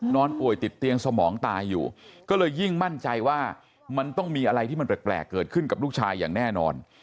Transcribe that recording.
นอนป่วยติดเตียงสมองตายอยู่ก็เลยยิ่งมั่นใจว่ามันต้องมีอะไรที่มันแปลกเกิดขึ้นกับลูกชายอย่างแน่นอน